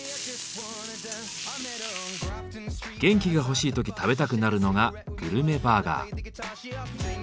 元気が欲しい時食べたくなるのがグルメバーガー。